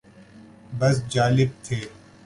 بس جالب تھے